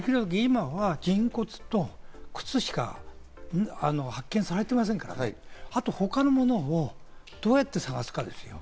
今は人骨と靴しか発見されてませんから、あと他のものをどうやって捜すかですよ。